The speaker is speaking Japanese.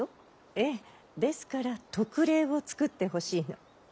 ええですから特例を作ってほしいの。は？